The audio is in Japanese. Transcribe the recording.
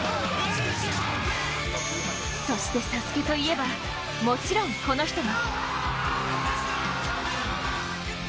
そして、ＳＡＳＵＫＥといえばもちろんこの人も。